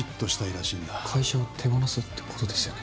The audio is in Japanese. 会社を手放すってことですよね。